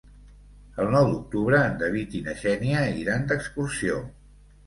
El nou d'octubre en David i na Xènia iran d'excursió.